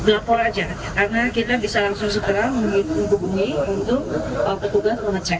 lapor aja karena kita bisa langsung segera menghubungi untuk petugas mengecek